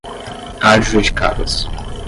adjudicadas